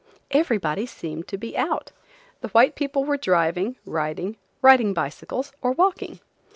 Everybody seemed to be out. The white people were driving, riding, riding bicycles, or walking.